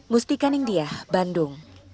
musti kaningdiah bandung